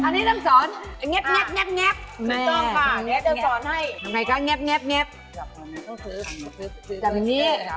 นิ้วนี่กดอย่างนี้